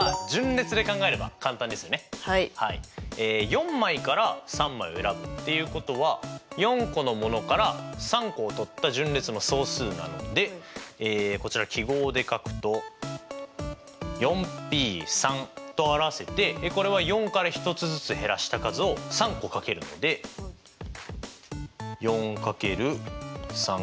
４枚から３枚を選ぶっていうことは４個のものから３個をとった順列の総数なのでこちら記号で書くとＰと表せてこれは４から１つずつ減らした数を３個掛けるのでジャン！